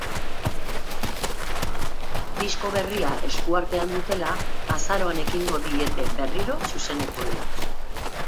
Disko berria esku artean dutela, azaroan ekingo diete berriro zuzenekoei.